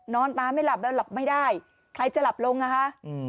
นอนตาไม่หลับแล้วหลับไม่ได้ใครจะหลับลงนะคะ